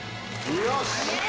よし！